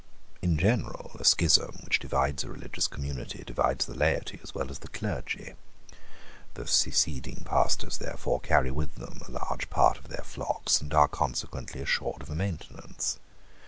In general, a schism, which divides a religious community, divides the laity as well as the clergy. The seceding pastors therefore carry with them a large part of their flocks, and are consequently assured of a maintenance.